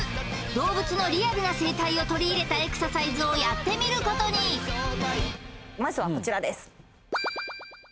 動物のリアルな生態を取り入れたエクササイズをやってみることにまずはこちらです